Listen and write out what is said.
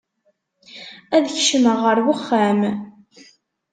Ad kecmeɣ ar wexxam.